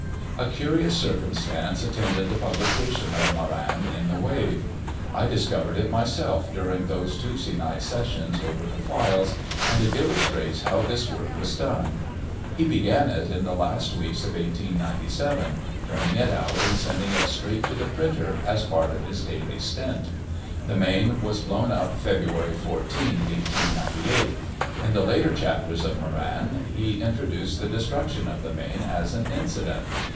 A curious circumstance attended the publication of "Moran" in the Wave. I discovered it myself during those Tuesday night sessions over the files; and it illustrates how this work was done. He began it in the last weeks of 1897, turning it out and sending it straight to the printer as part of his daily stint. The Maine was blown up February 14, 1898. In the later chapters of "Moran," he introduced the destruction of the Maine as an incident!